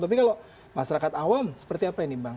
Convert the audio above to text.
tapi kalau masyarakat awam seperti apa ini bang